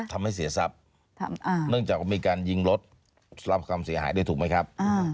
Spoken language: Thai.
ทำให้เสียทรัพย์เนื่องจากว่ามีการยิงรถรับความเสียหายได้ถูกไหมครับ